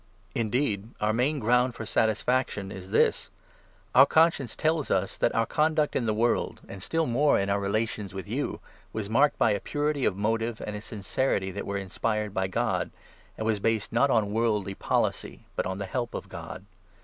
The Purity Indeed, our main ground for satisfaction is 12 of his this — Our conscience tells us that our conduct in the Motives, world, and still more in our relations with you, was marked by a purity of motive and a sincerity that were inspired by God, and was based, not on worldly policy, but on the help of God.